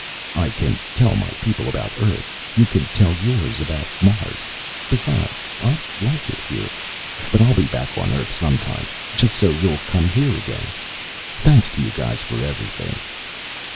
"I can tell my people about Earth; you can tell yours about Mars. Besides, I like it here. But I'll be back on Earth some time. Just so you'll come here again. Thanks to you guys for everything."